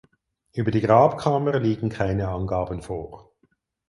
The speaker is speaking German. Über die Grabkammer liegen keine Angaben vor.